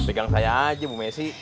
pegang saya aja bu messi